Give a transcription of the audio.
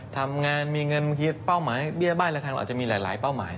ทำงานมีเงินบางทีเป้าหมายเบี้ยบ้านอะไรทางเราอาจจะมีหลายเป้าหมาย